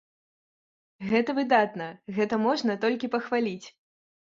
Гэта выдатна, гэта можна толькі пахваліць.